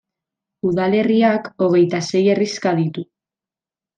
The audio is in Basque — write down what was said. Udalerriak hogeita sei herrixka ditu.